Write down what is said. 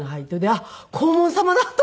あっ黄門様だと思って。